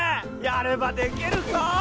やればできる子ぉ！